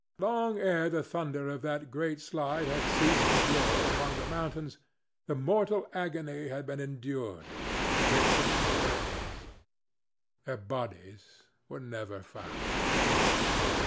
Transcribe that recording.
Long ere the thunder of that great slide had ceased to roar among the mountains the mortal agony had been endured and the victims were at peace. Their bodies were never found.